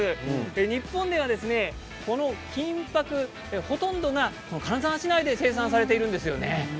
日本ではこの金ぱくほとんどが金沢市内で生産されているんですよね。